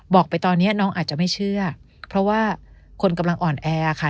บอกไปตอนนี้น้องอาจจะไม่เชื่อเพราะว่าคนกำลังอ่อนแอค่ะ